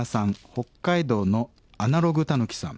北海道のアナログタヌキさん